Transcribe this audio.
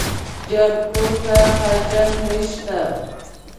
جانکو ته حاجت نشته.